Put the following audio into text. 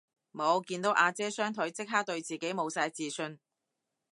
無，見到阿姐雙腿即刻對自己無晒自信